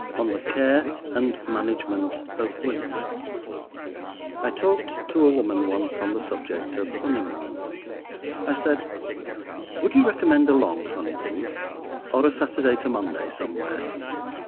ON THE CARE AND MANAGEMENT OF WOMEN I TALKED to a woman once on the subject of honeymoons. I said, "Would you recommend a long honeymoon, or a Saturday to Monday somewhere?"